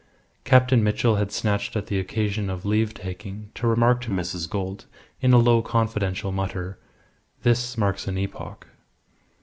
Captain Mitchell had snatched at the occasion of leave taking to remark to Mrs. Gould, in a low, confidential mutter, "This marks an epoch."